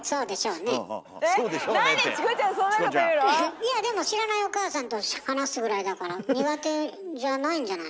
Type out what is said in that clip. いやでも知らないおかあさんと話すぐらいだから苦手じゃないんじゃないの？